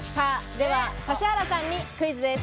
では指原さんにクイズです。